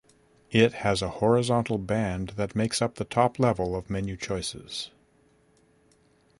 It has a horizontal band that makes up the top level of menu choices.